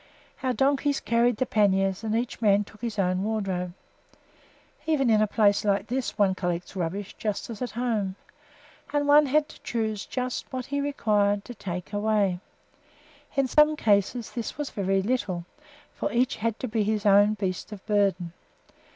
Our donkeys carried the panniers, and each man took his own wardrobe. Even in a place like this one collects rubbish, just as at home, and one had to choose just what he required to take away; in some cases this was very little, for each had to be his own beast of burden.